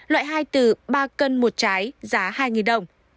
loại hai từ ba cân một trái giá hai đồng